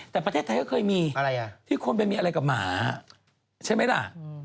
แต่ประเทศไทยก็เคยมีที่คนไปมีอะไรกับหมาใช่ไหมล่ะ